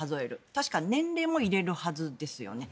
確か、年齢も入れるはずですよね。